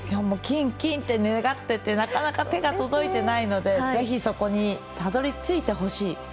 金、金って願っていてなかなか手が届いていないのでぜひそこにたどり着いてほしい。